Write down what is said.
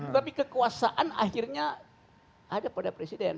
tapi kekuasaan akhirnya ada pada presiden